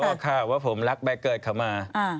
เขาออกค่ะว่าผมรักใบเกิดเขามา